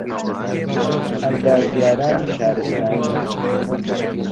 ئەندازیارانی شارستانی